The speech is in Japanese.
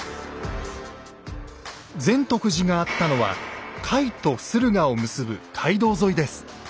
善得寺があったのは甲斐と駿河を結ぶ街道沿いです。